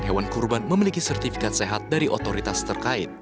hewan kurban memiliki sertifikat sehat dari otoritas terkait